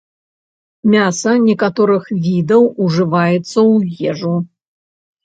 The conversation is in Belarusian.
Мяса некаторых відаў ужываецца ў ежу.